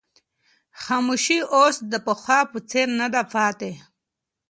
خاموشي اوس د پخوا په څېر نه ده پاتې.